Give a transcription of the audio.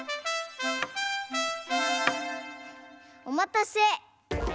おまたせ。